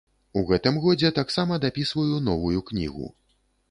У гэтым годзе таксама дапісваю новую кнігу.